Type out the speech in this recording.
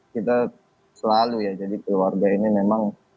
kita selalu ya jadi keluarga ini memang